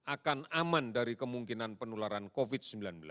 akan aman dari kemungkinan penularan covid sembilan belas